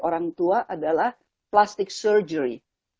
orang tua adalah plastik surgery